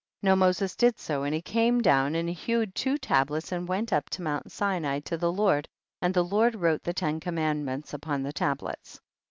25. Now Moses did so, and he came down and hewed the two tab lets and went up to mount Sinai to the Lord, and the Lord wrote the ten commandments upon the tablets.